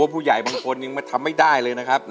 ผู้ใหญ่บางคนยังมาทำไม่ได้เลยนะครับ